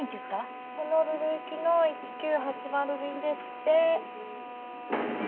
ホノルル行きの１９８０便ですって。